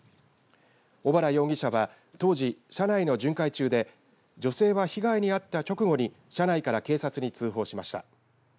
小原容疑者は当時、車内の巡回中で女性は被害に遭った直後に車内から警察に通報しました。